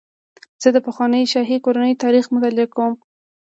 زه د پخوانیو شاهي کورنیو تاریخ مطالعه کوم.